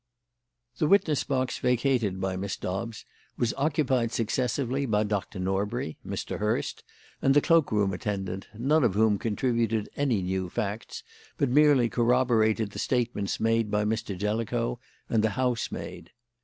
The witness box vacated by Miss Dobbs was occupied successively by Dr. Norbury, Mr. Hurst, and the cloak room attendant, none of whom contributed any new facts, but merely corroborated the statements made by Mr. Jellicoe and the housemaid.